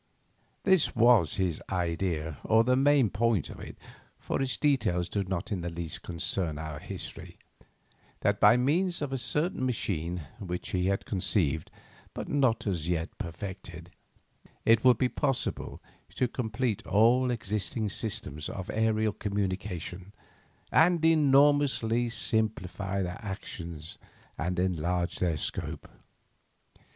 This was his idea, or the main point of it—for its details do not in the least concern our history: that by means of a certain machine which he had conceived, but not as yet perfected, it would be possible to complete all existing systems of aerial communication, and enormously to simplify their action and enlarge their scope.